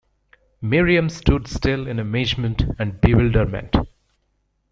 Miriam stood still in amazement and bewilderment.